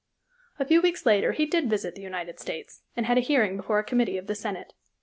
A few weeks later he did visit the United States, and had a hearing before a committee of the Senate.